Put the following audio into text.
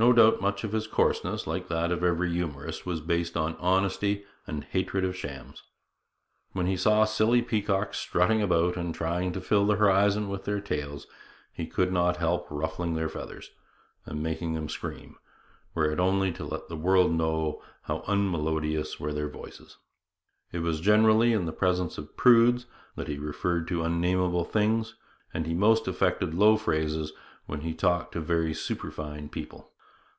No doubt much of his coarseness, like that of every humorist, was based on honesty and hatred of shams. When he saw silly peacocks strutting about and trying to fill the horizon with their tails, he could not help ruffling their feathers and making them scream, were it only to let the world know how unmelodious were their voices. It was generally in the presence of prudes that he referred to unnamable things; and he most affected low phrases when he talked to very superfine people.